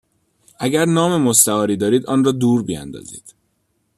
اگر نام مستعاری دارید آن را دور بیاندازید.